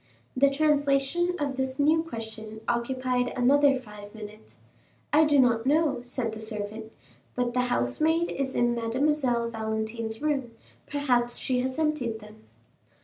The translation of this new question occupied another five minutes. "I do not know," said the servant, "but the housemaid is in Mademoiselle Valentine's room: perhaps she has emptied them."